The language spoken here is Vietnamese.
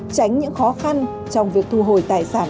tránh những khó khăn trong việc thu hồi tài sản